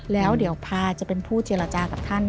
แล้วเดี๋ยวพาจะเป็นผู้เจรจากับท่าน